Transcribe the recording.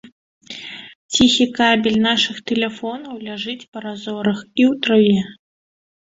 Ціхі кабель нашых тэлефонаў ляжыць па разорах і ў траве.